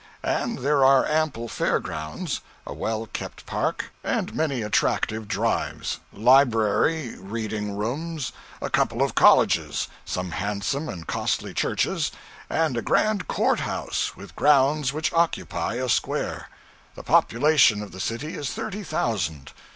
And there are ample fair grounds, a well kept park, and many attractive drives; library, reading rooms, a couple of colleges, some handsome and costly churches, and a grand court house, with grounds which occupy a square. The population of the city is thirty thousand.